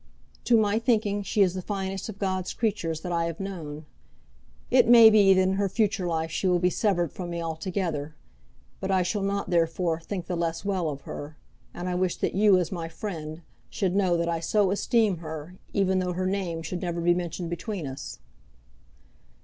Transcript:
"To my thinking she is the finest of God's creatures that I have known. It may be that in her future life she will be severed from me altogether; but I shall not, therefore, think the less well of her; and I wish that you, as my friend, should know that I so esteem her, even though her name should never be mentioned between us."